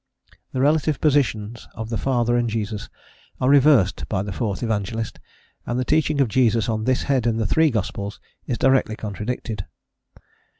The relative positions of the Father and Jesus are reversed by the fourth evangelist, and the teaching of Jesus on this head in the three gospels is directly contradicted.